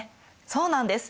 そうなんです。